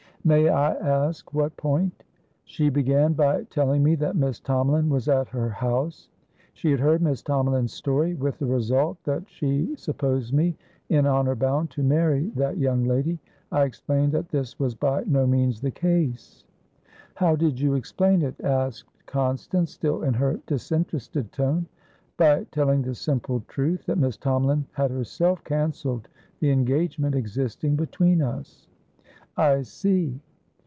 "May I ask what point?" "She began by telling me that Miss Tomalin was at her house. She had heard Miss Tomalin's story, with the result that she supposed me in honour bound to marry that young lady. I explained that this was by no means the case." "How did you explain it?" asked Constance, still in her disinterested tone. "By telling the simple truth, that Miss Tomalin had herself cancelled the engagement existing between us." "I see."